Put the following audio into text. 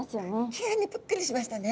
急にぷっくりしましたね。